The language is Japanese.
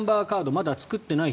まだ作っていない人